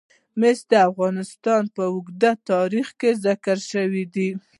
مس د افغانستان په اوږده تاریخ کې ذکر شوی دی.